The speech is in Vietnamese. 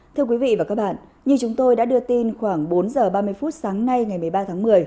thưa quý vị và các bạn như chúng tôi đã đưa tin khoảng bốn giờ ba mươi phút sáng nay ngày một mươi ba tháng một mươi